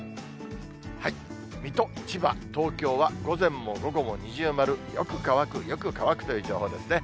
水戸、千葉、東京は午前も午後も二重丸、よく乾く、よく乾くという情報ですね。